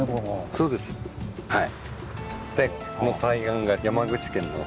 そうですはい。